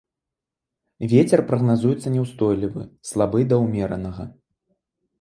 Вецер прагназуецца няўстойлівы, слабы да ўмеранага.